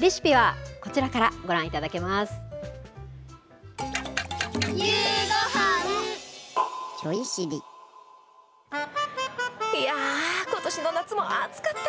レシピはこちらからご覧いただけいやー、ことしの夏も暑かった。